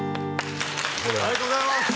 ありがとうございます！